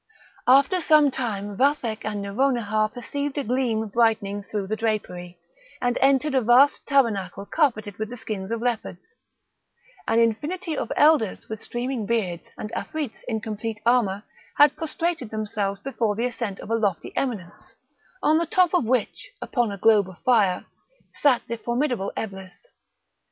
After some time Vathek and Nouronihar perceived a gleam brightening through the drapery, and entered a vast tabernacle carpeted with the skins of leopards; an infinity of elders with streaming beards, and Afrits in complete armour, had prostrated themselves before the ascent of a lofty eminence, on the top of which, upon a globe of fire, sat the formidable Eblis.